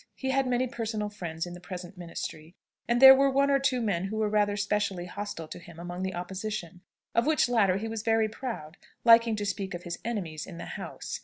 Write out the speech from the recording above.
He had many personal friends in the present ministry, and there were one or two men who were rather specially hostile to him among the Opposition; of which latter he was very proud, liking to speak of his "enemies" in the House.